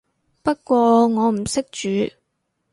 不過我唔識煮